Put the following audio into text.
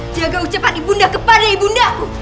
jaga ucapan ibunda kepada ibundaku